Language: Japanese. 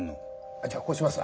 あっじゃあこうします。